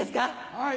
はい。